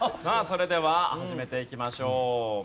さあそれでは始めていきましょう。